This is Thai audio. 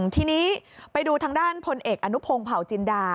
ทีนี้ไปดูทางด้านพลเอกอนุพงศ์เผาจินดา